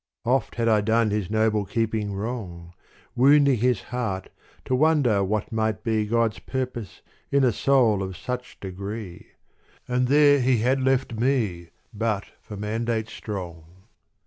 Oft had I done his noble keeping wrong, Wounding his heart to wonder what might be God's purpose in a soul of such degree : And there he had left me but for mandate strong.